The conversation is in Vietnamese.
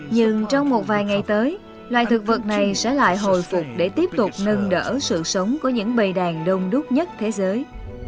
nhưng trong một vài ngày tới loài thực vật này sẽ lại hồi phục để tiếp tục nâng đỡ sự sống của những bầy đàn đông đúc nhất thế giới